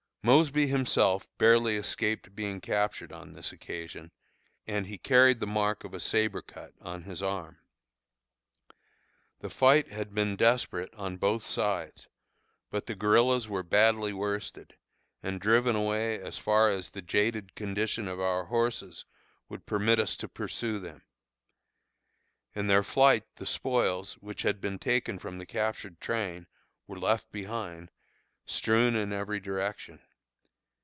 Mosby himself barely escaped being captured on this occasion, and he carried the mark of a sabre cut on his arm. The fight had been desperate on both sides, but the guerillas were badly worsted, and driven away as far as the jaded condition of our horses would permit us to pursue them. In their flight the spoils, which had been taken from the captured train, were left behind, strewn in every direction.